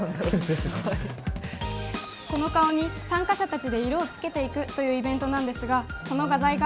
この顔に参加者たちで色をつけていくというイベントなんですがその画材が。